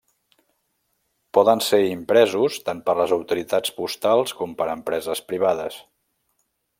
Poden ser impresos tant per les autoritats postals com per empreses privades.